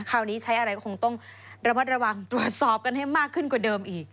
คราวนี้ใช้อะไรก็คงต้องระมัดระวังตรวจสอบกันให้มากขึ้นกว่าเดิมอีก